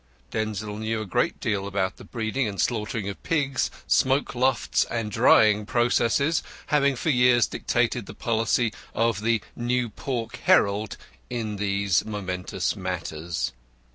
Denzil knew a great deal about the breeding and slaughtering of pigs, smoke lofts and drying processes, having for years dictated the policy of the New Pork Herald in these momentous matters.